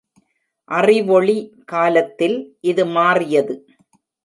அறிவொளி காலத்தில் இது மாறியது.